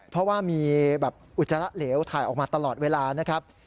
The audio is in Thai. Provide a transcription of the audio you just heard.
เพราะว่ามีแบบอุจจาระเหลวถ่ายออกมาตลอดเวลานะครับ